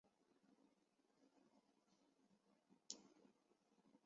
治大国如烹小鲜。